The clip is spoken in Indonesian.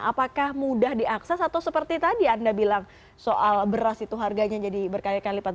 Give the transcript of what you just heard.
apakah mudah diakses atau seperti tadi anda bilang soal beras itu harganya jadi berkali kali lipat